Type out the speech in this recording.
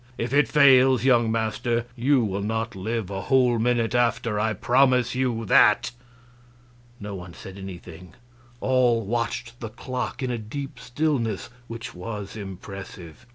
If it fails, young master, you will not live a whole minute after, I promise you that." No one said anything; all watched the clock in a deep stillness which was impressive.